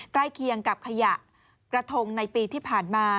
ใกล้เคียงกับขยะกระทงในปีที่ผ่านมา